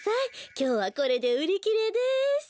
きょうはこれでうりきれです！